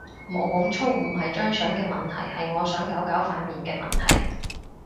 毛孔粗唔係張相嘅問題，係我想搞搞塊面嘅問題